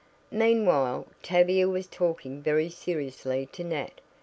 Meanwhile, Tavia was talking very seriously to Nat.